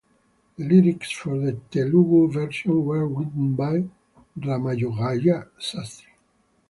The lyrics for the Telugu version were written by Ramajogayya Sastry.